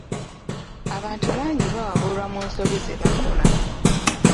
Abantu bangi bawabulwa mu nsobi zebakola.